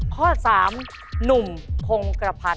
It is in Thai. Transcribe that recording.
ข้อสามหนุ่มพงกระพัน